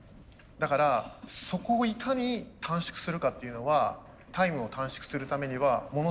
だからそこをいかに短縮するかっていうのはタイムを短縮するためにはものすごく効果があります。